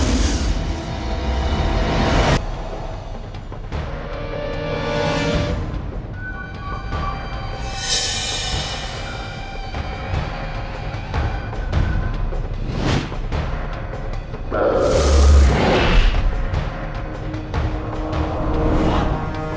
อุ๊ยเรื่องดีกว่าอันนี้มัน